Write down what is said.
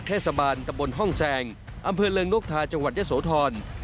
เทศบาลตะบนห้องแซงอำเภอเริงนกทาจังหวัดยะโสธร